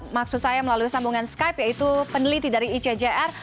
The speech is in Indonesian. maksud saya melalui sambungan skype yaitu peneliti dari icjr